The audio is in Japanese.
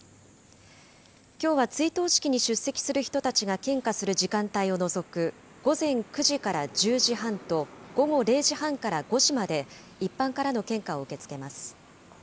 きょうは追悼式に出席する人たちが献花する時間帯を除く、午前９時から１０時半と、午後０時半から５時まで、一般からの献花を受け付けます。